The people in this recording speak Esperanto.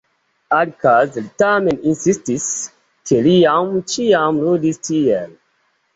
Alikaze li tamen insistis, ke li jam ĉiam ludis tiel.